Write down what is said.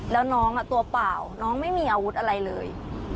แล้วน้องตัวเปล่าน้องไม่มีอาวุธอะไรเลย